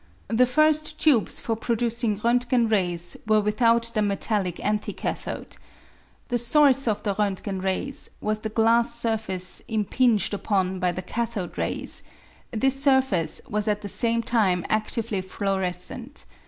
The first tubes for producing Rontgen rays were without the metallic anti cathode. The source of the Rontgen rays was the glass surface impinged upon by the cathode rays ; this surface was at the same time adtively fluorescent.